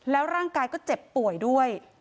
แล้วร่างกายก็เจ็บป่วยด้วย